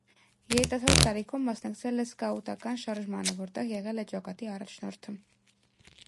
Երիտասարդ տարիքում մասնակցել է սկաուտական շարժմանը, որտեղ եղել է ջոկատի առաջնորդը։